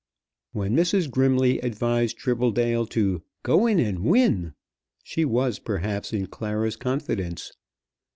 When Mrs. Grimley advised Tribbledale to "go in and win," she was, perhaps, in Clara's confidence.